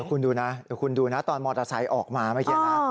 คุณดูนะเดี๋ยวคุณดูนะตอนมอเตอร์ไซค์ออกมาเมื่อกี้นะ